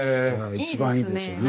一番いいですよね。